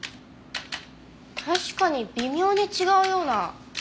確かに微妙に違うような。